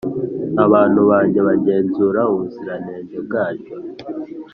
abantu bage bagenzura ubuziranenge bwaryo